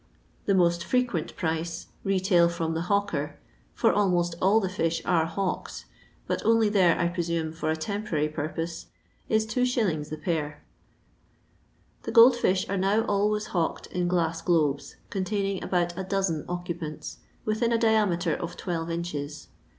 The most frequent price, retail from the hawker — for almost all the fish are hawked, but only there, I presume, for a tem porary purpose — is 2s. the pair. The gold fish are now always hawked in glass glolMS, con taining about a dosen occupants, within a diameter of twelve inches.